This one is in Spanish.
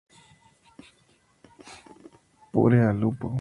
Pure al lupo!